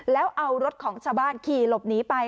แล้วเอารถของชาวบ้านขี่หลบหนีไป